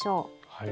はい。